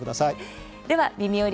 では「みみより！